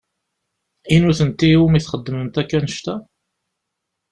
I nutenti i wumi txedmemt akk annect-a?